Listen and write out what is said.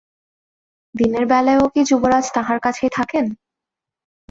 দিনের বেলাও কি যুবরাজ তাঁহার কাছেই থাকেন?